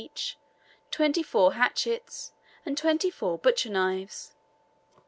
each, twenty four hatchets, and twenty four butcher knives.